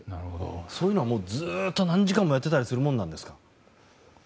そういうのをずっと何時間もやっていたりするもんなんですか。